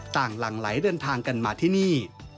หลังไหลเดินทางกันมาที่นี่